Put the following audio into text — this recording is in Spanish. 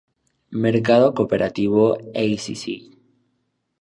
Mercado cooperativo Acc.